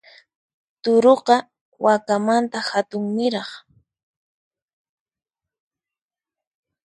Turuqa, wakamanta hatunniraq.